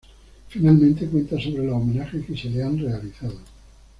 Finalmente cuenta sobre los homenajes que se le han realizado.